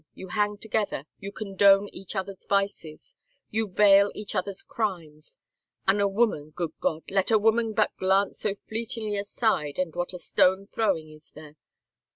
You hang together — you condone each other's vices — 183 THE FAVOR OF KINGS you veil each other's crimes. An* a woman — good God, let a woman but glance so fleetingly aside and what a stone throwing is there